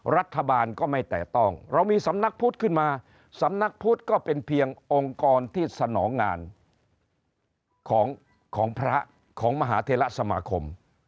รัฐบาลก็ไม่แตะต้องเรามีสำนักพุทธขึ้นมาสำนักพุทธก็เป็นเพียงองค์กรที่สนองงานของพระของมหาเทระสมาคม